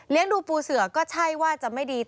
ดูปูเสือก็ใช่ว่าจะไม่ดี